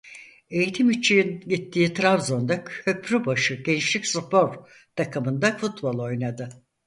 Eğitim için gittiği Trabzon'da Köprübaşı Gençlikspor takımında futbol oynadı.